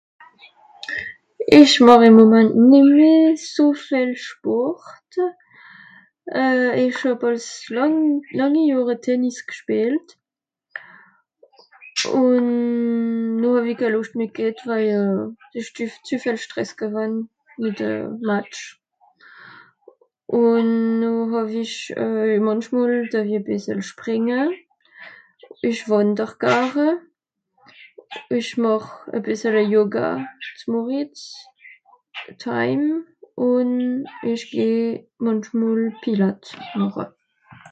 Je ne fais plus beaucoup de sport, j’ai longtemps joué au tennis, en ensuite je n’ai plus eu l’envie car il y avait trop de stress pour les matchs. Ensuite j’ai couru, je fais un peu de yoga le matin et de temps en temps je vais au pilâtes.